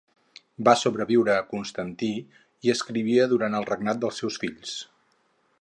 Va sobreviure a Constantí i escrivia durant el regnat dels seus fills.